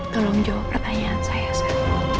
tolong jawab pertanyaan saya sekarang